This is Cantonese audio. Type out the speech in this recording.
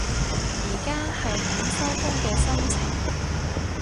而家係等收工嘅心情